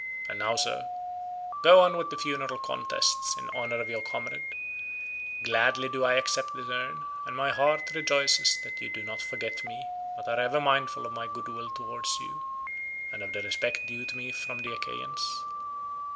And now, sir, go on with the funeral contests in honour of your comrade: gladly do I accept this urn, and my heart rejoices that you do not forget me but are ever mindful of my goodwill towards you, and of the respect due to me from the Achaeans.